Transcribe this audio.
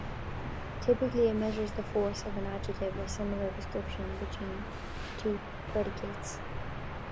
Typically, it measures the force of an adjective or similar description between two predicates.